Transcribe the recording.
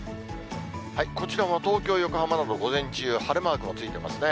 こちらも東京、横浜など、午前中、晴れマークもついていますね。